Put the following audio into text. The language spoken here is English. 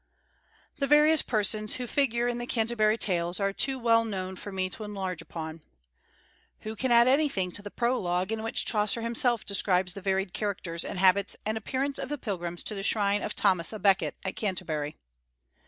The various persons who figure in the "Canterbury Tales" are too well known for me to enlarge upon. Who can add anything to the Prologue in which Chaucer himself describes the varied characters and habits and appearance of the pilgrims to the shrine of Thomas à Becket at Canterbury?